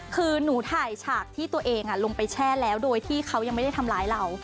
คือหนูถ่ายฉากที่ตัวเองลงไปแช่แล้วโดยที่เขายังไม่ได้ทำร้ายเรา